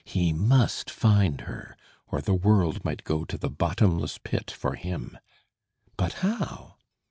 He must find her; or the world might go to the bottomless pit for him. But how?